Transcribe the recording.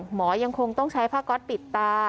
หมอยังคงต้องใช้ผ้าก๊อตปิดตา